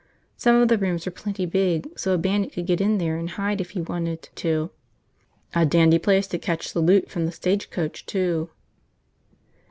Some of the rooms were plenty big so a bandit could get in there and hide if he wanted to. A dandy place to cache the loot from the stagecoach, too.